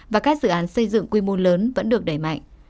và các dự án xây dựng quy mô lớn vẫn được đẩy mạnh